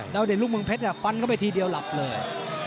แล้วเด่นลูกเมืองเพชรฟันเข้าไปทีเดียวหลับเลย